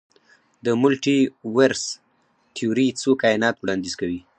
د ملټي ورس تیوري څو کائنات وړاندیز کوي.